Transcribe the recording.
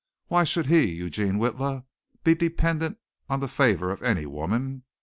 Why should he, Eugene Witla, be dependent on the favor of any woman?